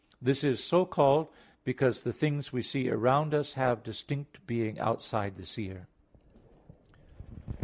This is so called because the things we see around us have distinct being outside the seer.